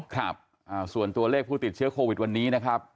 ครับส่วนตัวเลขผู้ติดเชื้อโควิดวันนี้นะครับ